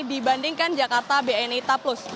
dibandingkan jakarta bni taplus